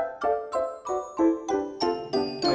tidak ada yang bisa diberi